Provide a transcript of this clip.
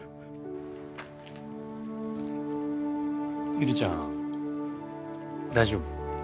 ゆりちゃん大丈夫？